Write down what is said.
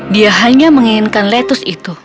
dia hanya menginginkan lettuce itu